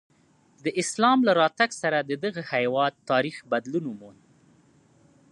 د اسلام له راتګ سره د دغه هېواد تاریخ بدلون وموند.